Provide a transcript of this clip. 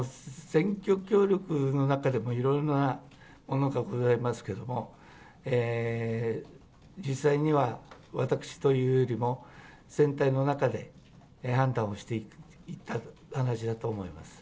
選挙協力の中でもいろいろなものがございますけれども、実際には、私というよりも、選対の中で判断をしていった話だと思います。